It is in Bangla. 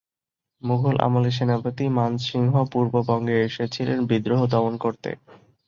মুঘল আমলে সেনাপতি মানসিংহ পূর্ববঙ্গে এসেছিলেন বিদ্রোহ দমন করতে।